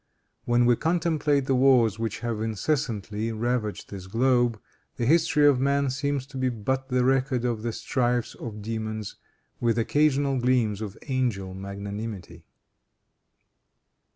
When we contemplate the wars which have incessantly ravaged this globe, the history of man seems to be but the record of the strifes of demons, with occasional gleams of angel magnanimity.